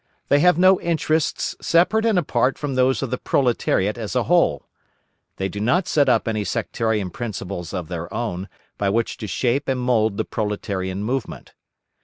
They have no interests separate and apart from those of the proletariat as a whole. They do not set up any sectarian principles of their own, by which to shape and mould the proletarian movement.